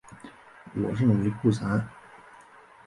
我认为不然。